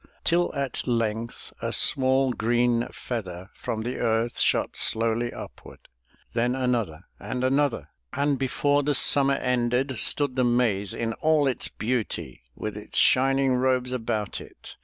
Till at length a small green feather From the earth shot slowly upward, Then another and another. And before the Summer ended Stood the maize in all its beauty, With its shining robes about it.